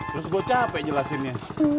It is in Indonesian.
terus gue capek jelasinnya